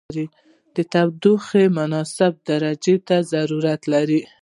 د تودوخې مناسبې درجې ته ضرورت لري.